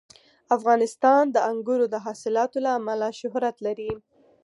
افغانستان د انګورو د حاصلاتو له امله شهرت لري.